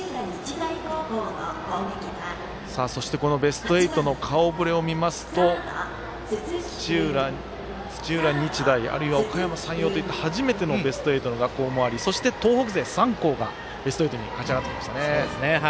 ベスト８の顔ぶれを見ますと土浦日大、あるいはおかやま山陽という初めてのベスト８の学校もありそして東北勢３校がベスト８に勝ち上がってきました。